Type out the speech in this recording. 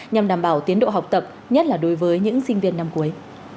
nhằm đảm bảo tiến độ học tập nhất là đối với những sinh viên năm cuối